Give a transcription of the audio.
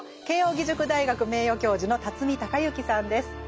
慶應義塾大学名誉教授の孝之さんです。